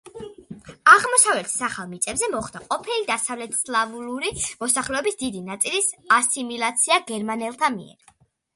აღმოსავლეთის ახალ მიწებზე მოხდა ყოფილი დასავლეთსლავური მოსახლეობის დიდი ნაწილის ასიმილაცია გერმანელთა მიერ.